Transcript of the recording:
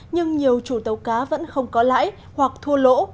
nhưng nhiều chủ tàu cá vẫn không có lãi hoặc thua lỗ